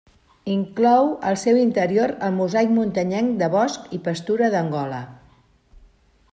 Inclou al seu interior el mosaic muntanyenc de bosc i pastura d'Angola.